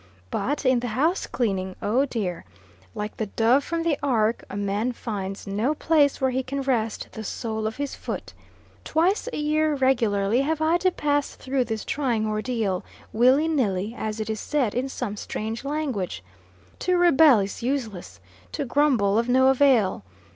But in the house cleaning oh, dear! Like the dove from the ark, a man finds no place where he can rest the sole of his foot. Twice a year, regularly, have I to pass through this trying ordeal, willy nilly, as it is said, in some strange language. To rebel is useless. To grumble of no avail.